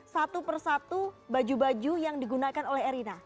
satu persatu baju baju yang digunakan oleh erina